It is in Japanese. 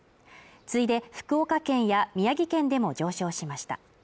次いで福岡県や宮城県でも上昇しました。